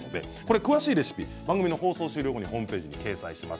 詳しいレシピは番組の放送終了後にホームページに掲載します。